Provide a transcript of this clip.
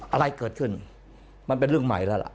อะไรเกิดขึ้นมันเป็นเรื่องใหม่แล้วล่ะ